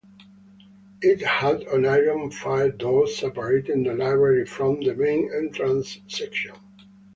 It had an iron fire-door separating the library from the main entrance section.